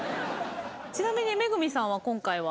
ちなみに恵さんは今回は。